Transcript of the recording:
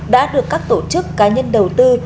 đã được các tổ chức cá nhân đầu tư